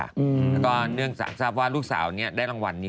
แล้วก็เนื่องจากทราบว่าลูกสาวนี้ได้รางวัลนี้